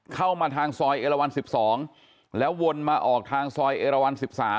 เข้ามาทางซอยเอลวัน๑๒แล้ววนมาออกทางซอยเอราวัน๑๓